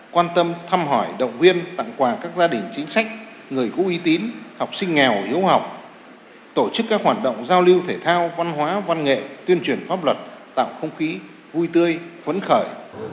quan tâm thăm hỏi động viên tặng quà các gia đình chính sách người có uy tín học sinh nghèo hiếu học tổ chức các hoạt động giao lưu thể thao văn hóa văn nghệ tuyên truyền pháp luật tạo không khí vui tươi phấn khởi